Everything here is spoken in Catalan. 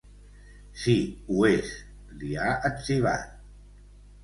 Sí, ho és, li ha etzibat.